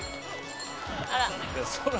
あら！